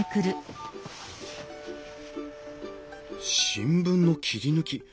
新聞の切り抜き